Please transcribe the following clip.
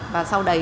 và sau đấy